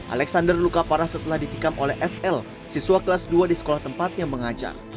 alexander luka parah setelah ditikam oleh fl siswa kelas dua di sekolah tempatnya mengajar